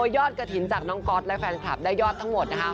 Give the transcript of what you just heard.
ยอดกระถิ่นจากน้องก๊อตและแฟนคลับได้ยอดทั้งหมดนะคะ